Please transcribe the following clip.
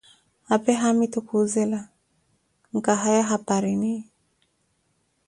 apee haamitu kuuzela, Nkahaya haparini?